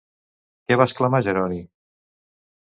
Què va exclamar Jeroni?